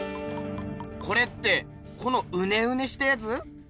これってこのウネウネしたやつ？